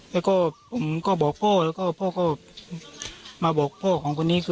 แล้วก็ผมก็บอกพ่อพ่อก็มาบอกพ่อของคนนี้